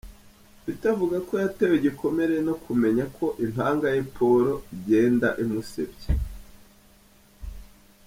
Peter avuga ko yatewe igikomere no kumenya ko impanga ye Paul igenda imusebya.